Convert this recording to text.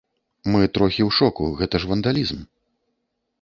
Мы трохі ў шоку, гэта ж вандалізм.